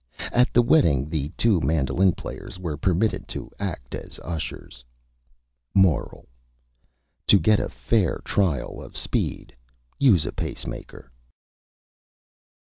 At the Wedding the two Mandolin Players were permitted to act as Ushers. MORAL: _To get a fair Trial of Speed, use a Pace Maker.